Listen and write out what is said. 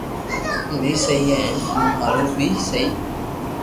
بي سھي ھي ھين مون ھارين بي سھي